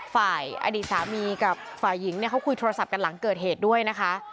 ฝ่ายอดีตสามีกับฝ่ายหญิงเนี่ยเขาคุยโทรศัพท์กันหลังเกิดเหตุด้วยนะคะ